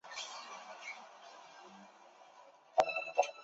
并担任提案委员会专委。